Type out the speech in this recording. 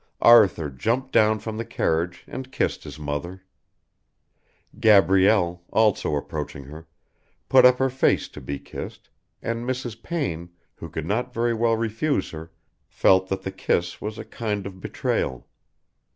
Arthur jumped down from the carriage and kissed his mother. Gabrielle, also approaching her, put up her face to be kissed, and Mrs. Payne, who could not very well refuse her, felt that the kiss was a kind of betrayal.